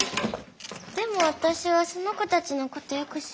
でもわたしはその子たちのことよく知らないし。